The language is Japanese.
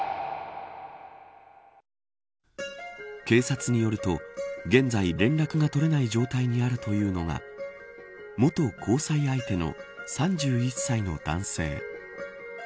警察によると現在、連絡が取れない状態にあるというのが元交際相手の３１歳の男性。